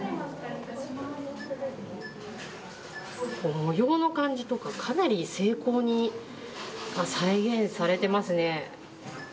模様の感じとかかなり精巧に再現されてますね。